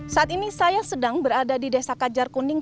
saat ini saya sedang berada di desa kajar kuning